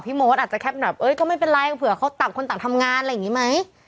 โมทอาจจะแค่แบบเอ้ยก็ไม่เป็นไรเผื่อเขาต่างคนต่างทำงานอะไรอย่างนี้ไหม